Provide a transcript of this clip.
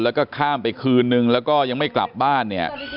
แล้วก็ข้ามไปคืนนึงแล้วก็ยังไม่กลับบ้านเนี่ย